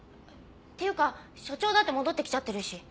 っていうか所長だって戻ってきちゃってるし。